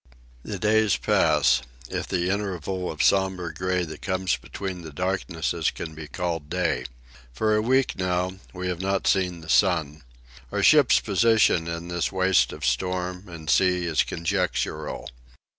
The days pass—if the interval of sombre gray that comes between the darknesses can be called day. For a week, now, we have not seen the sun. Our ship's position in this waste of storm and sea is conjectural.